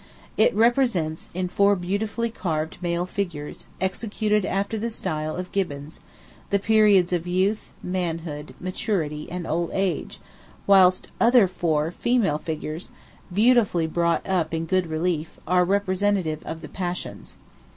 It represents, in four beautifully carved male figures, executed after the style of Gibbons, the periods of Youth, Manhood, Maturity, and Old Age, whilst other four (female) figures, beautifully brought up in good relief, are representative of the Passions.